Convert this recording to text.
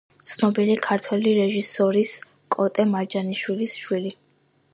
ცნობილი ქართველი რეჟისორის კოტე მარჯანიშვილის შვილი.